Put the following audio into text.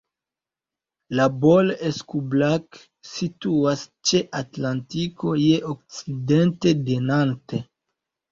La Baule-Escoublac situas ĉe Atlantiko je okcidente de Nantes.